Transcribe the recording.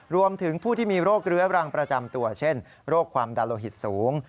รวมถึงผู้ที่มีโรคเรื้อรังประจำตัวเช่นโรคความดันโลหิตสูง